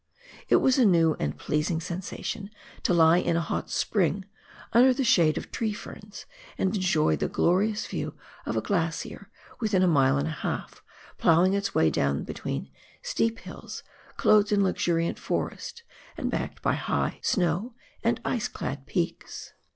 It was a new and pleasing sensa tion to lie in a hot spring, under the shade of tree ferns, and enjoy the glorious view of a glacier within a mile and a half ploughing its way down between steep hills clothed in luxuriant forest, and backed by high snow and ice clad peaks.